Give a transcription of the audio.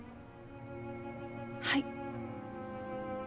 はい。